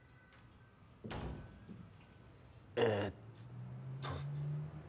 えっと。